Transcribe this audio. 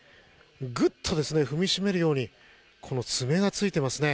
ぐっと踏みしめるように爪がついていますね。